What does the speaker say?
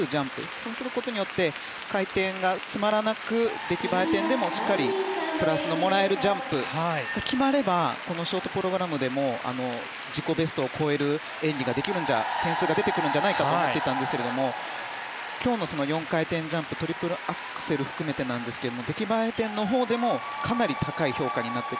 そうすることによって回転が詰まらず、出来栄え点でもしっかりプラスがもらえるジャンプ、これが決まればこのショートプログラムでも自己ベストを超える演技ができるんじゃ点数が出るんじゃないかと思っていたんですけども今日の４回転ジャンプはトリプルアクセルも含めてですが出来栄え点でもかなり高い評価になっていく。